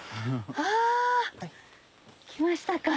あ来ましたか。